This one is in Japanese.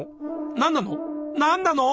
何なの？